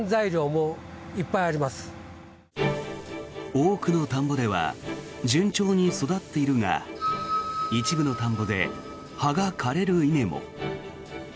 多くの田んぼでは順調に育っているが一部の田んぼで葉が枯れる稲も。